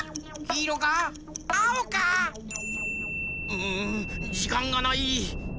うんじかんがない！